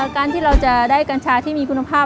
การที่เราจะได้กัญชาที่มีคุณภาพ